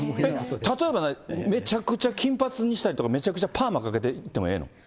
例えばめちゃくちゃ金髪にしたりとか、めちゃくちゃパーマかけて行ってもええの。